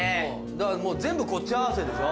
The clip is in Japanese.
だからもう全部こっち合わせでしょ？